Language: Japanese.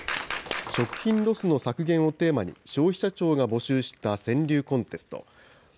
食品ロスの削減をテーマに、消費者庁が募集した川柳コンテスト。